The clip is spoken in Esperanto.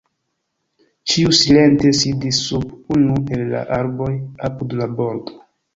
Ĉiu silente sidis sub unu el la arboj apud la bordo.